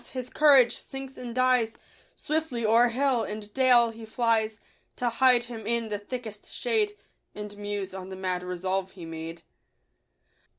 his courage sinks and dies, Swiftly o'er hill and dale he flies, To hide him in the thickest shade, And muse on the mad resolve he made.